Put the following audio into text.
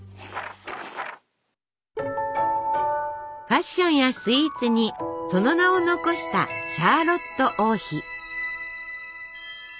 ファッションやスイーツにその名を残したシャーロット王妃。